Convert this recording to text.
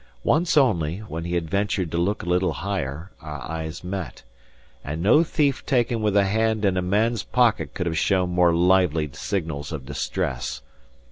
Once only, when he had ventured to look a little higher, our eyes met; and no thief taken with a hand in a man's pocket could have shown more lively signals of distress.